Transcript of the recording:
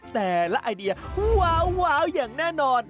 แต่ละไอเดียวว้าวอย่างแน่นอน